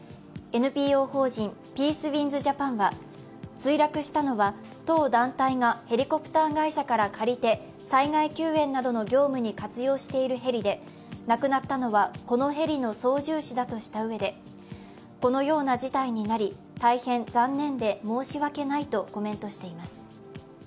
ＮＰＯ法人ピースウィンズ・ジャパンは墜落したのは、当団体がヘリコプター会社から借りて災害救援などの業務に活用しているへりな亡くなったのは、このヘリの操縦士だとしたうえで、このような事態になり、大変残念で申し訳ないとコメントしています。